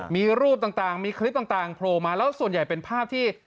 มีรูปต่างมีคลิปต่างโผล่มาแล้วส่วนใหญ่เป็นภาพที่